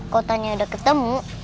kotanya udah ketemu